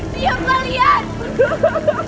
siap lah lihat